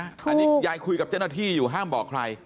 อันนี้ยายคุยกับเจ้าหน้าที่อยู่ห้ามบอกใคร